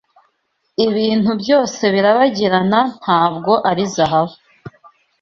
Ibintu byose birabagirana ntabwo ari zahabu.